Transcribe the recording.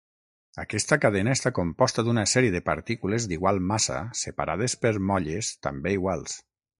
Aquesta cadena està composta d'una sèrie de partícules d'igual massa separades per molles també iguals.